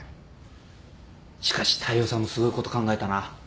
しかし大陽さんもすごいこと考えたな。